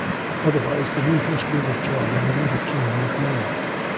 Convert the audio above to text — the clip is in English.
Otherwise, the move must be withdrawn and another king move made.